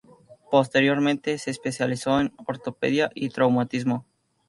Posteriormente se especializó en ortopedia y traumatismo.